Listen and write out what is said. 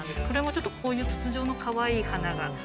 これもちょっとこういう筒状のかわいい花が。